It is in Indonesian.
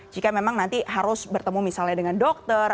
jika memang nanti harus bertemu misalnya dengan dokter